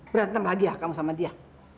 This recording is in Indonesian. berantem lagi ya kamu sama dia